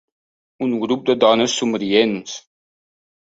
Un grup de dones somrients.